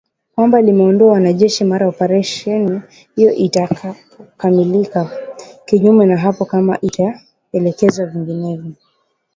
Kwamba lingeondoa wanajeshi mara operesheni hiyo itakapokamilika, kinyume na hapo kama itaelekezwa vinginevyo